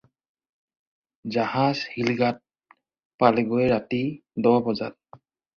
জাহাজ শিলঘাট পালেগৈ ৰাতি দহ বজাত।